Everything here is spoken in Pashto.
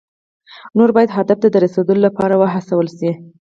نور باید هدف ته د رسیدو لپاره وهڅول شي.